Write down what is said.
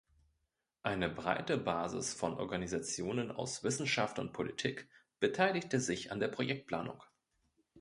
Eine breite Basis von Organisationen aus Wissenschaft und Politik beteiligte sich an der Projektplanung.